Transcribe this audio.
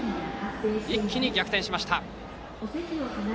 一気に逆転しました。